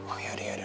oh yaudah yaudah